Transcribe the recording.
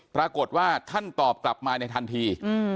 ปรากฏว่าท่านตอบกลับมาในทันที